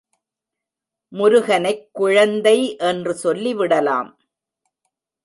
முருகனைக் குழந்தை என்று சொல்லிவிடலாம்.